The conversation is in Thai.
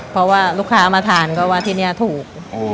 เพราะว่าลูกค้ามาทานก็ว่าที่นี่ถูก